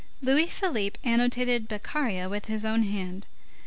Louis Philippe annotated Beccaria with his own hand.